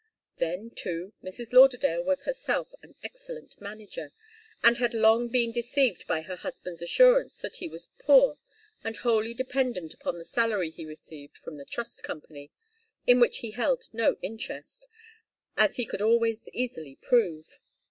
Then, too, Mrs. Lauderdale was herself an excellent manager, and had long been deceived by her husband's assurance that he was poor and wholly dependent upon the salary he received from the Trust Company, in which he held no interest, as he could always easily prove.